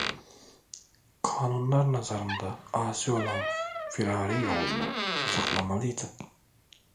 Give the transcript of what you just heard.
Kanunlar nazarında asi olan firari oğlunu saklamalıydı.